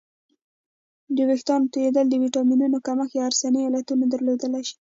د وېښتانو تویدل د ویټامینونو کمښت یا ارثي علتونه درلودلی شي